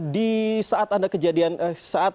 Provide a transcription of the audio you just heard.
di saat anda kejadian saat